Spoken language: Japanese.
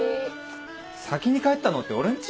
先に帰ったのって俺んち？